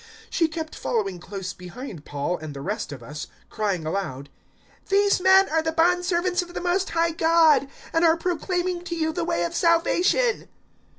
016:017 She kept following close behind Paul and the rest of us, crying aloud, "These men are the bondservants of the Most High God, and are proclaiming to you the way of salvation."